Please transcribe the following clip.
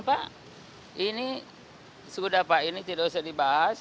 pak ini sudah pak ini tidak usah dibahas